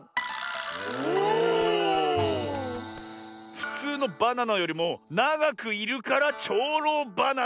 ふつうのバナナよりもながくいるから「ちょうろうバナナ」。